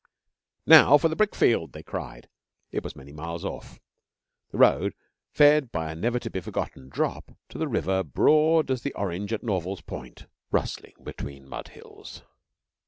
'Now for the brickfield!' they cried. It was many miles off. The road fed by a never to be forgotten drop, to a river broad as the Orange at Norval's Pont, rustling between mud hills.